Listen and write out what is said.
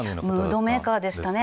ムードメーカーでしたね。